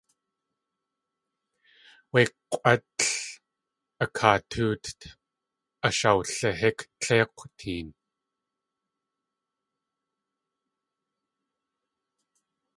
Wé k̲ʼwátl a katʼóott ashawlihík tléik̲w teen.